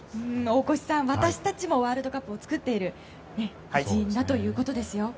大越さん、私たちもワールドカップを作っている一員だということですよ。